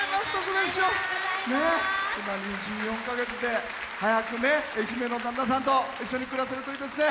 妊娠４か月で早く愛媛の旦那さんと一緒に暮らせるといいですね。